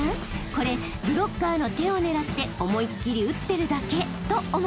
［これブロッカーの手を狙って思いっ切り打ってるだけと思ってませんか？］